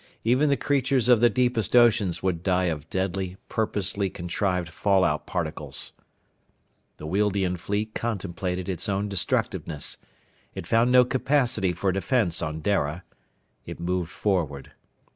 Even the creatures of the deepest oceans would die of deadly, purposely contrived fallout particles. The Wealdian fleet contemplated its own destructiveness. It found no capacity for defense on Dara. It moved forward.